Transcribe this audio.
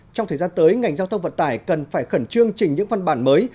trong thời gian tới ngành giao thông vận tải cần phải khẩn trương trình những văn bản mới